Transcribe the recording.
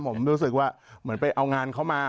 ผมรู้สึกว่าเหมือนไปเอางานเข้ามา